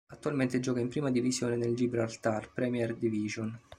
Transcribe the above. Attualmente gioca in prima divisione del Gibraltar Premier Division.